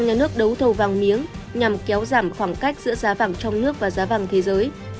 nhà nước đấu thầu vàng miếng nhằm kéo giảm khoảng cách giữa giá vàng trong nước và giá vàng thế giới